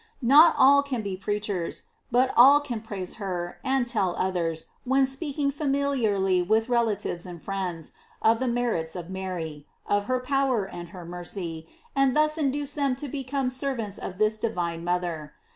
Not all can be preachers; but all can praise her, and tell others, when speaking fa miliarly with relatives and friends, of the merits of Mary, of her power and her mercy, and thus induce them to become servants of this divine mother.